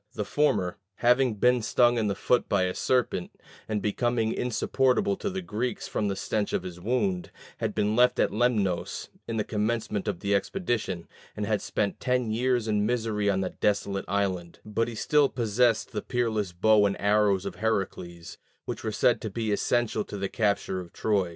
The former, having been stung in the foot by a serpent, and becoming insupportable to the Greeks from the stench of his wound, had been left at Lemnos in the commencement of the expedition, and had spent ten years in misery on that desolate island; but he still possessed the peerless bow and arrows of Heracles, which were said to be essential to the capture of Troy.